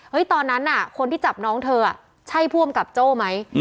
ตอนนั้นคนที่จับน้องเธอใช่ผู้อำกับโจ้ไหม